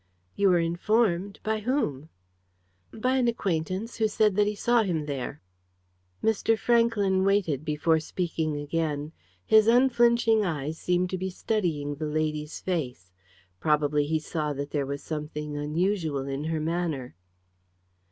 "You were informed? By whom?" "By an acquaintance, who said that he saw him there." Mr. Franklyn waited before speaking again. His unflinching eyes seemed to be studying the lady's face. Probably he saw that there was something unusual in her manner.